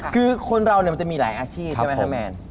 คือคนเราเนี่ยมันจะมีหลายอาชีพใช่ไหมครับแมน